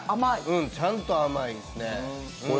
うん、ちゃんと甘いですね。